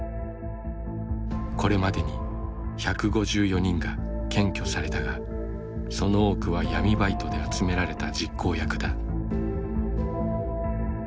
これまでに１５４人が検挙されたがその多くは闇バイトで集められた実行役だ。